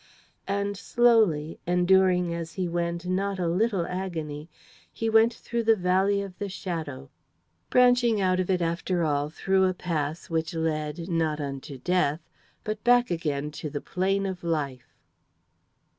And slowly, enduring as he went not a little agony, he went through the Valley of the Shadow, branching out of it after all through a pass which led, not unto Death, but back again to the Plain of Life.